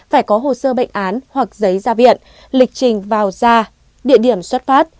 phải có hồ sơ bệnh án hoặc giấy ra viện lịch trình vào ra địa điểm xuất phát